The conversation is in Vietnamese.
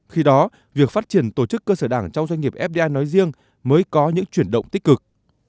khi đó việc phát triển tổ chức cơ sở đảng trong doanh nghiệp fdi nói riêng mới có những chuyển động tích cực